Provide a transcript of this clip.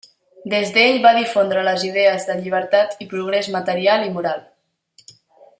Des d'ell va difondre les idees de llibertat i progrés material i moral.